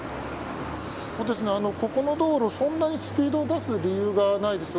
ここの道路、そんなにスピードを出す理由がないです。